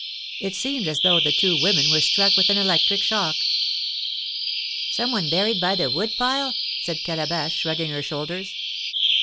It seemed as though the two women were struck with an electric shock. "Some one buried by the wood pile?" said Calabash, shrugging her shoulders.